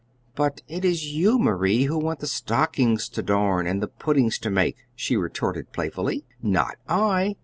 "But it is you, Marie, who want the stockings to darn and the puddings to make," she retorted playfully. "Not I!